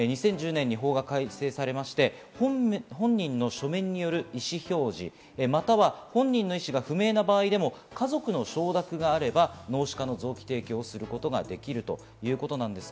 ２０１０年に法が改正されまして、本人の書面による意思表示、または本人の意思が不明な場合でも家族の承諾があれば脳死下の臓器提供をすることができるということです。